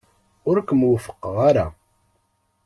Ur kem-wufqeɣ ara.